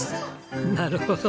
なるほど。